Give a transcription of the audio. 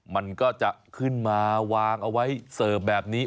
มันก็จะขึ้นมาวางเอาไว้เสิร์ฟแบบนี้